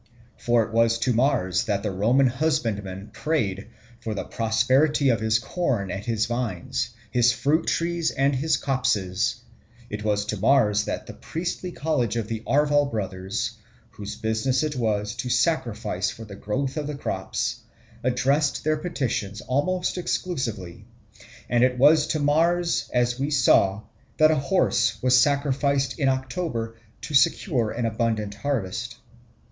For it was to Mars that the Roman husbandman prayed for the prosperity of his corn and his vines, his fruit trees and his copses; it was to Mars that the priestly college of the Arval Brothers, whose business it was to sacrifice for the growth of the crops, addressed their petitions almost exclusively; and it was to Mars, as we saw, that a horse was sacrificed in October to secure an abundant harvest.